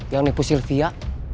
yang nipu sylvia